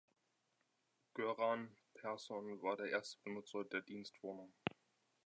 Göran Persson war der erste Benutzer der Dienstwohnung.